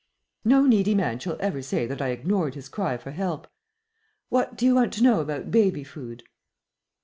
No needy man shall ever say that I ignored his cry for help. What do you want to know about baby food?"